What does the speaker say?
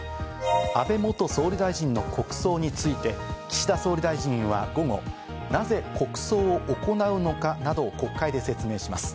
安倍元総理大臣の国葬について、岸田総理大臣は午後、なぜ国葬を行うのかなどを国会で説明します。